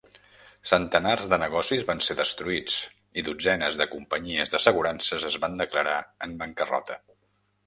Centenars de negocis van ser destruïts i dotzenes de companyies d'assegurances es van declarar en bancarrota.